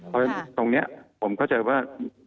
เพราะตรงนี้ผมเข้าใจว่า